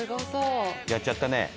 やっちゃったね。